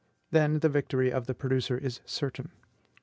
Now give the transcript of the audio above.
Then the victory of the producer is certain.